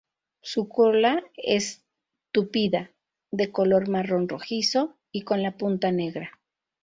Su cola es tupida, de color marrón rojizo y con la punta negra.